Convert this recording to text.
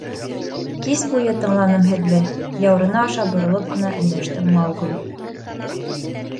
— Кис буйы тыңланым һеҙҙе, — яурыны аша боролоп ҡына өндәште Маугли.